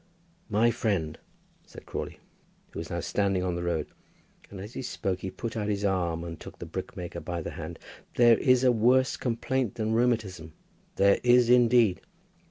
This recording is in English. "My friend," said Crawley, who was now standing on the road, and as he spoke he put out his arm and took the brickmaker by the hand, "there is a worse complaint than rheumatism, there is, indeed."